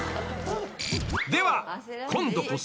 ［では今度こそ］